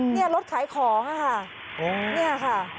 นี่รถขายของค่ะเนี่ยค่ะ